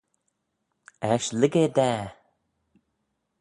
Eisht lhig eh da.